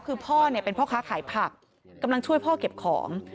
คือพ่อเนี่ยเป็นพ่อค้าขายผักกำลังช่วยพ่อเก็บของ